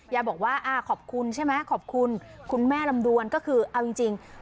ยายบอกว่าขอบคุณใช่ไหมขอบคุณคุณแม่ลำดวนก็คือเอาจริง